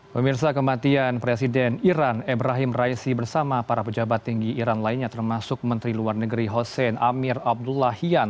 pemirsa kematian presiden iran ebrahim raisi bersama para pejabat tinggi iran lainnya termasuk menteri luar negeri hussein amir abdullahian